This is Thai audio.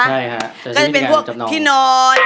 แล้วพวกนี้จะเป็นพวกที่นอน